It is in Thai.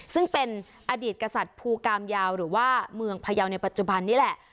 ซึ่งเป็นอดีตกษัตริย์ภูกามยาวหรือว่าเมืองพยาวในปัจจุบันนี้แหละ